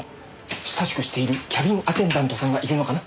親しくしているキャビンアテンダントさんがいるのかな？